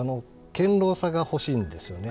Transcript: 堅ろうさが欲しいんですよね。